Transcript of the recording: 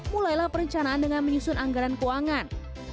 mulailah perencanaan dengan menyusun anggaran keuangan